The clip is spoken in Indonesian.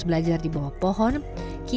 sebagai petugas polri